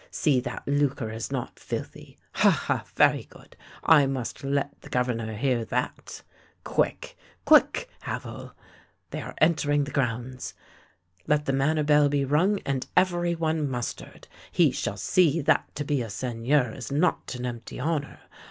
See that Lucre is not filthy — ha! ha! very good, I must let the Governor hear that. Quick — quick, Havel! They are entering the grounds. Let the manor bell be rung and every one mustered. He shall see that to be a Seigneur is not an empty honour.